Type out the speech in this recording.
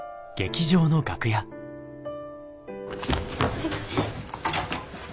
すいません。